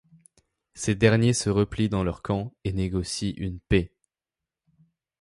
Ces derniers se replient dans leur camp et négocient une paix.